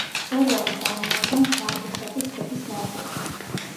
მწვერვალი წარმოადგენს ბარგუშატის ქედის ნაწილს.